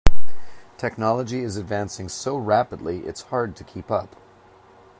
Technology is advancing so rapidly, it's hard to keep up.